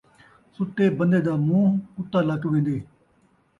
ستّے بن٘دے دا مون٘ہہ کتّا لک وین٘دے